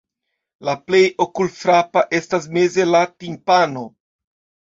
La plej okulfrapa estas meze la timpano.